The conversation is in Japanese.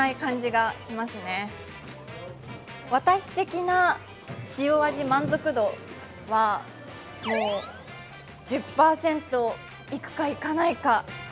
私的な塩味満足度は１０％いくかいかない。